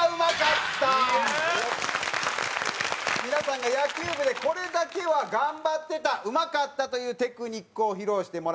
皆さんが野球部でこれだけは頑張ってたうまかったというテクニックを披露してもらいましょう。